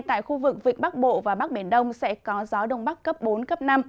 tại khu vực vịnh bắc bộ và bắc biển đông sẽ có gió đông bắc cấp bốn cấp năm